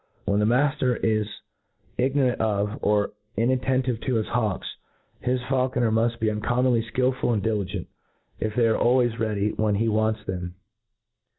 When the maftcr is ignprant of, or inattentive to his hawks, hi? faulconer muft be uncommonly Mful and dili gent, if they are always ready when he wants them.